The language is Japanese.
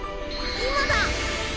今だ！